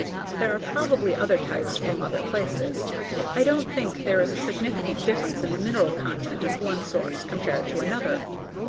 There are probably other types from other places. I don't think there is a significant difference in the mineral content of one source compared to another.